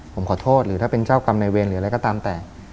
ผมขอโทษหรือถ้าเป็นเจ้ากรรมในเวรหรืออะไรก็ตามแต่